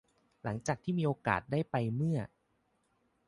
หลังจากที่มีโอกาสได้ไปเมื่อ